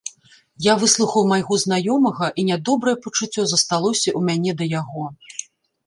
Я выслухаў майго знаёмага, і нядобрае пачуццё засталося ў мяне да яго.